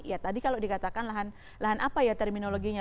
ya tadi kalau dikatakan lahan lahan apa ya terminologinya